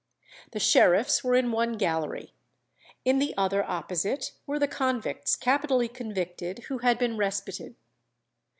The sheriffs were in one gallery; in the other opposite were the convicts capitally convicted who had been respited.